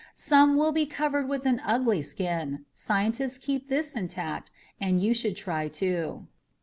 Some will be covered with an ugly skin scientists keep this intact and you should try to.